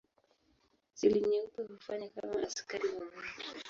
Seli nyeupe hufanya kama askari wa mwili.